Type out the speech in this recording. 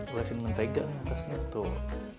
ulesin mentega nih atasnya tuh